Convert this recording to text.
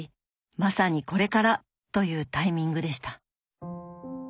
まさにこれからというタイミングでした。